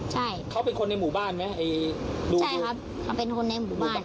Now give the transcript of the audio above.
ใช่เขาเป็นคนในหมู่บ้านไหมไอ้ลุงใช่ครับเขาเป็นคนในหมู่บ้าน